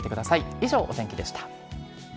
以上、お天気でした。